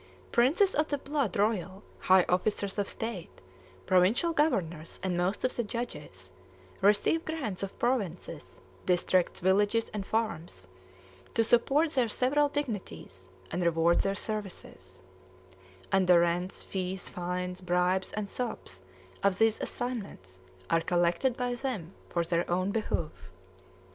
Princes of the blood royal, high officers of state, provincial governors, and most of the judges, receive grants of provinces, districts, villages, and farms, to support their several dignities and reward their services; and the rents, fees, fines, bribes, and sops of these assignments are collected by them for their own behoof.